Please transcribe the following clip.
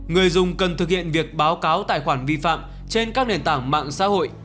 người dùng cần thực hiện việc báo cáo tài khoản vi phạm trên các nền tảng mạng xã hội